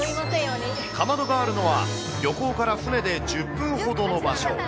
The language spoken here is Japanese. カマドがあるのは、漁港から船で１０分ほどの場所。